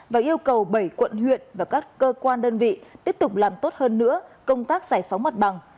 và yêu cầu bảy quận huyện và các cơ quan đơn vị tiếp tục làm tốt hơn nữa công tác giải phóng mặt bằng